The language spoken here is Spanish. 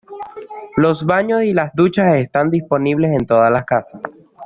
Los baños y las duchas estaban disponibles en todas las casas.